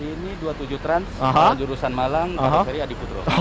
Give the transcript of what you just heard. ini dua puluh tujuh trans jurusan malang arteri adiputro